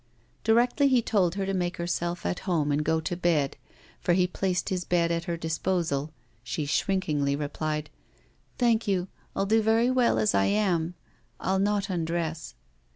Directly he told her to make herself at home and go to bed, for he placed his bed at her disposal, she shrinkingly replied: 'Thank you; I'll do very well as I am; I'll not undress.